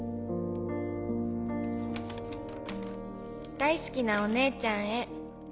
「大好きなお姉ちゃんへ」